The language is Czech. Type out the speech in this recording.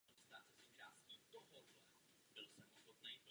Je disciplínou srovnávací jazykovědy.